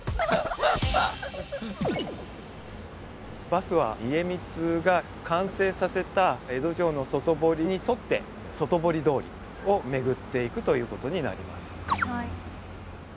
バスは家光が完成させた江戸城の外堀に沿って外堀通りを巡っていくということになります。